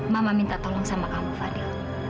mama minta tolong sama kamu fadil